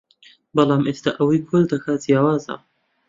بەڵام ئێستا ئەوەی کۆچ دەکات جیاوازە